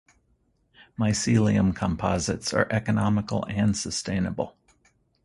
Mycelium composites are economical and sustainable.